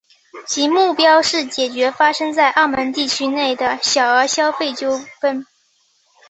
其目标是解决发生在澳门地区内之小额消费纠纷。